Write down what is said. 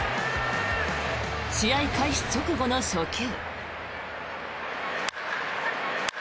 試合開始直後の初球。